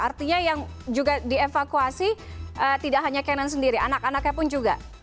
artinya yang juga dievakuasi tidak hanya canon sendiri anak anaknya pun juga